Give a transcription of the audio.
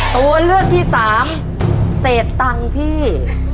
ตัวเลือกที่สามเศษตังค์พี่